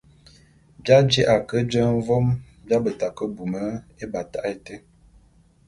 J’aji’a ke jeñe vôm j’abeta ke bume ébatak été.